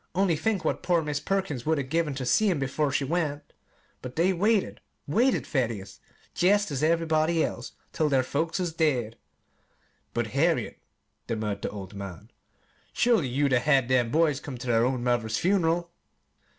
Only think what poor Mis' Perkins would 'a' given ter seen 'em 'fore she went! But they waited waited, Thaddeus, jest as everybody does, till their folks is dead." "But, Harriet," demurred the old man, "surely you'd 'a' had them boys come ter their own mother's fun'ral!"